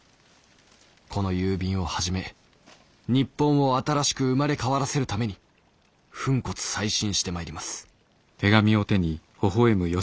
この郵便をはじめ日本を新しく生まれ変わらせるために粉骨砕身してまいります」。